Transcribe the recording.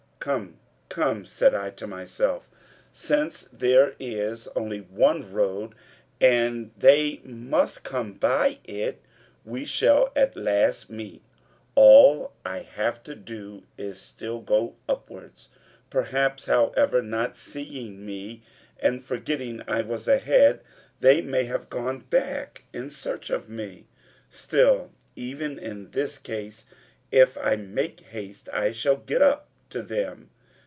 "Come, come," said I to myself, "since there is only one road, and they must come by it, we shall at last meet. All I have to do is still to go upwards. Perhaps, however, not seeing me, and forgetting I was ahead, they may have gone back in search of me. Still, even in this case, if I make haste, I shall get up to them.